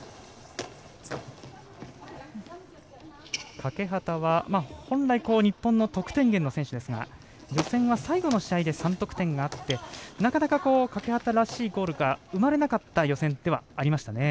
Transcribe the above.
欠端は本来日本の得点源の選手ですが、予選は最後の試合で３得点あってなかなか欠端らしいゴールが生まれなかった予選ではありましたね。